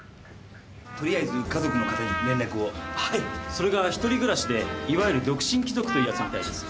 それが一人暮らしでいわゆる独身貴族というやつみたいです。